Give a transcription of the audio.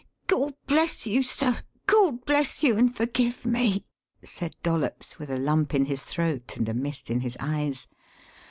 "Gawd bless you, sir, Gawd bless you and forgive me!" said Dollops with a lump in his throat and a mist in his eyes.